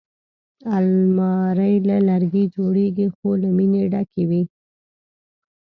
الماري له لرګي جوړېږي خو له مینې ډکې وي